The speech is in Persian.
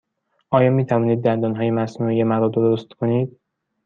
آیا می توانید دندانهای مصنوعی مرا درست کنید؟